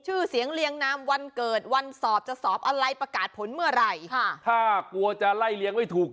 ชื่อเสียงเรียงนามวันเกิดวันสอบจะสอบอะไรประกาศผลเมื่อไหร่ค่ะถ้ากลัวจะไล่เลี้ยงไม่ถูก